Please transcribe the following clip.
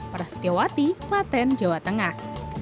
prasetyawati klaten jawa tengah